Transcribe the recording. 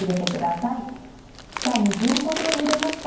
さぁ２分ほどゆでました。